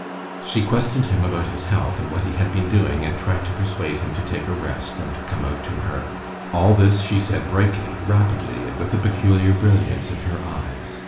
She questioned him about his health and what he had been doing, and tried to persuade him to take a rest and come out to her. All this she said brightly, rapidly, and with a peculiar brilliance in her eyes.